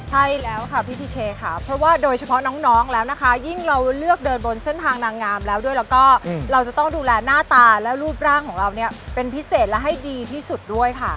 ใช่แล้วค่ะพี่พีเคค่ะเพราะว่าโดยเฉพาะน้องแล้วนะคะยิ่งเราเลือกเดินบนเส้นทางนางงามแล้วด้วยแล้วก็เราจะต้องดูแลหน้าตาและรูปร่างของเราเนี่ยเป็นพิเศษและให้ดีที่สุดด้วยค่ะ